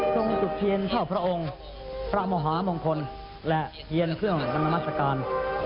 ทรงจุดเทียนพระองค์พระมหามงคลและเทียนเครื่องนามศักราณ